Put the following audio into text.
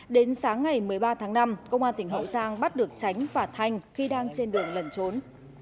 đến sáng ngày một mươi ba tháng năm công an tỉnh hậu giang bắt được tránh và thanh khi đang trên đường lẩn trốn